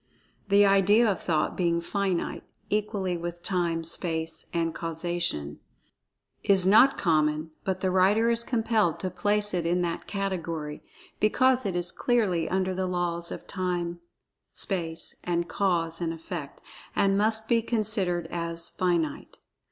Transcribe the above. (The idea of Thought being finite, equally with Time, Space and Causation, is not common, by the writer is compelled to place it in that category, because it is clearly under the laws of Time, Space, and Cause and Effect, and must be considered as "finite."